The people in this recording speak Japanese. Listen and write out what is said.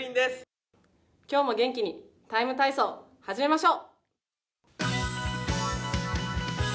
今日も元気に「ＴＩＭＥ，体操」始めましょう！